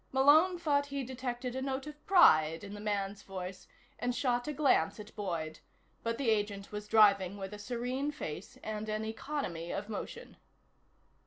Malone thought he detected a note of pride in the man's voice, and shot a glance at Boyd, but the agent was driving with a serene face and an economy of motion.